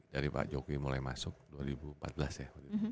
jadi pak jokowi mulai masuk dua ribu empat belas ya